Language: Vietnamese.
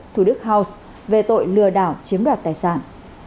thủ đức house về tội lừa đảo chiếm đoạt tài sản